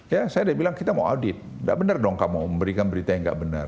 ya saya udah bilang kita mau audit nggak benar dong kamu memberikan berita yang nggak benar